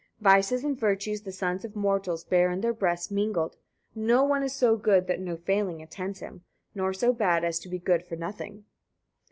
135. Vices and virtues the sons of mortals bear in their breasts mingled; no one is so good that no failing attends him, nor so bad as to be good for nothing.